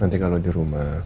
nanti kalo di rumah